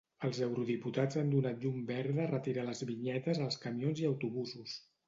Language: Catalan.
Els eurodiputats han donat llum verda a retirar les vinyetes als camions i autobusos.